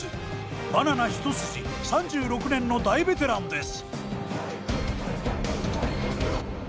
バナナ一筋３６年の大ベテランです。